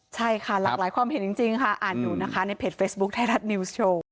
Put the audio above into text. ใช่ค่ะหลากหลายความเห็นจริงค่ะอ่านอยู่นะคะในเพจเฟซบุ๊คไทยรัฐนิวส์โชว์